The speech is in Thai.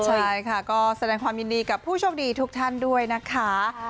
ใช่ค่ะก็แสดงความยินดีกับผู้โชคดีทุกท่านด้วยนะคะ